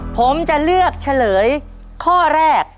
ผมจะเลือกเฉลยข้อแรก